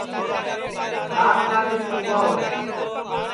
رات کا دؔن کُماو